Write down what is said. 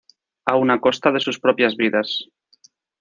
Aun a costa de sus propias vidas.